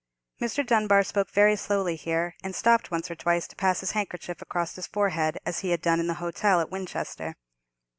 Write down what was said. Mr. Dunbar spoke very slowly here, and stopped once or twice to pass his handkerchief across his forehead, as he had done in the hotel at Winchester.